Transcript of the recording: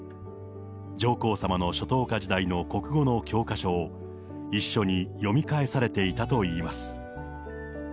上皇さまの初等科時代の国語の教科書を、一緒に読み返されていたといいます。